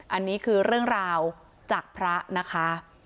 อันนี้คือเรื่องราวจากพระนะคะ